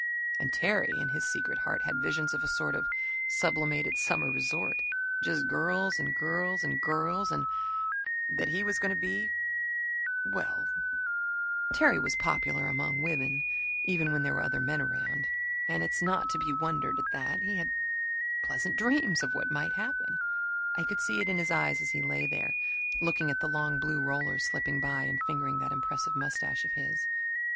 And Terry, in his secret heart, had visions of a sort of sublimated summer resort just Girls and Girls and Girls and that he was going to be well, Terry was popular among women even when there were other men around, and it's not to be wondered at that he had pleasant dreams of what might happen. I could see it in his eyes as he lay there, looking at the long blue rollers slipping by, and fingering that impressive mustache of his.